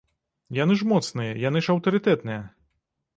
Яны ж моцныя, яны ж аўтарытэтныя.